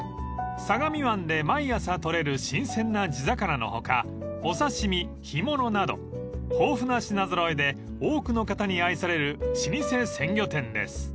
［相模湾で毎朝取れる新鮮な地魚の他お刺し身干物など豊富な品揃えで多くの方に愛される老舗鮮魚店です］